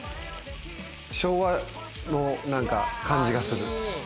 昭和の何か感じがする。